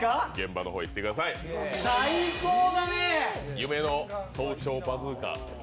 夢の「早朝バズーカ」。